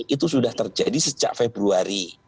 itu sudah terjadi sejak februari